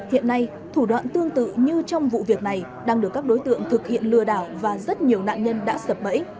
hiện nay thủ đoạn tương tự như trong vụ việc này đang được các đối tượng thực hiện lừa đảo và rất nhiều nạn nhân đã sập bẫy